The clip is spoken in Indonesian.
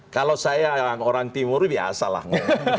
kalau saya orang timur ya salah ngomong